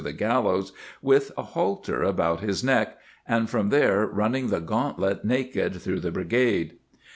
174 ] Camp Diversions gallows with a halter about his neck, and from there running the gauntlet naked through the bri gade.